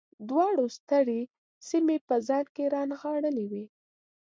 دواړو سترې سیمې په ځان کې رانغاړلې وې